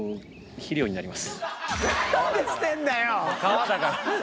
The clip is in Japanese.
肥料になります。